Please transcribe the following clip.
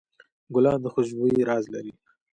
ګلان د خوشبویۍ راز لري.